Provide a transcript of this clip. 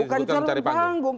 bukan mencari panggung